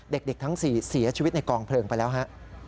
เด็กทั้ง๔เสียชีวิตในกองเพลิงไปแล้วฮะ